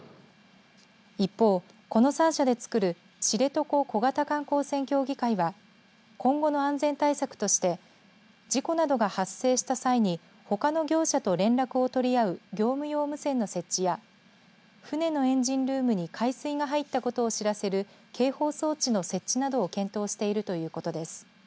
一方、この３社でつくる知床小型観光船協議会は今後の安全対策として事故などが発生した際にほかの業者と連絡を取り合う業務用無線の設置や船のエンジンルームに海水が入ったことを知らせる警報装置の設置などを検討しているということです。